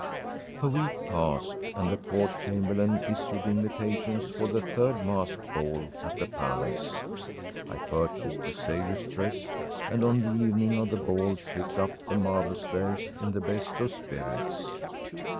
A week passed, and the court chamberlain issued invitations for the third masked ball at the palace. I purchased a sailor’s dress, and on the evening of the ball tripped up the marble stairs in the best of spirits.